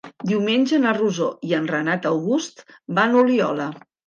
Diumenge na Rosó i en Renat August van a Oliola.